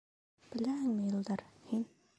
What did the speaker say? Беләһеңме, Илдар, һин...